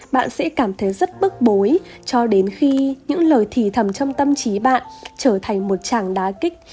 bạn sẽ cảm thấy rất bức bối cho đến khi những lời thỉ thầm trong tâm trí bạn trở thành một chàng đá kích